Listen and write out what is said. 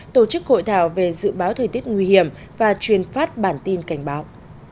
tổ chức hội thảo về dự báo thời tiết nguy hiểm và truyền phát bản tin cảnh báo